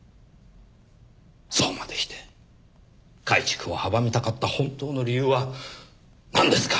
そうまでして改築を阻みたかった本当の理由はなんですか？